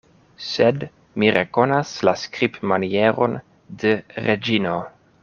Sed mi rekonas la skribmanieron de Reĝino!